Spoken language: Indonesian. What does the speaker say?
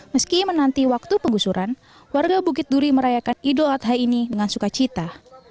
meski menanti waktu penggusuran warga bukit duri merayakan idul adha ini dengan sukacita